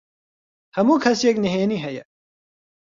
هەموو کەسێک نهێنیی هەیە.